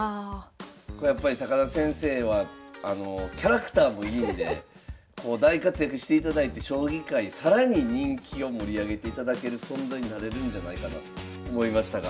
やっぱり田先生はキャラクターもいいんで大活躍していただいて将棋界更に人気を盛り上げていただける存在になれるんじゃないかなと思いましたが。